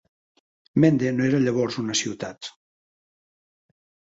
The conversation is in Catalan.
Mende no era llavors una ciutat.